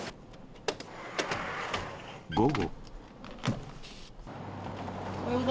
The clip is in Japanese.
午後。